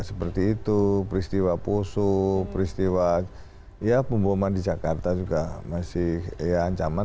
seperti itu peristiwa poso peristiwa ya pemboman di jakarta juga masih ya ancaman